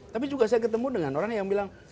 tapi juga saya ketemu dengan orang yang bilang